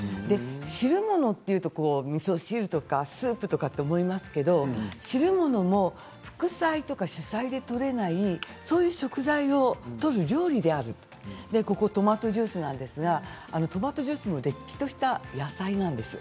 汁物っていうと、みそ汁とかスープとかって思いますけれど汁物も副菜とか主菜でとれないそういう食材をとる料理であるとトマトジュースなんですけれどトマトジュースもれっきとした野菜なんです。